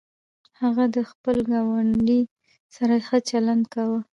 هغه د خپل ګاونډي سره ښه چلند کاوه.